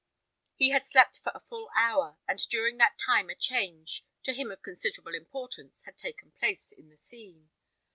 He had slept for a full hour; and during that time a change, to him of considerable importance had taken place in the scene.